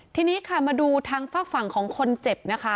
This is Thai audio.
ทีนี้ค่ะมาดูทางฝากฝั่งของคนเจ็บนะคะ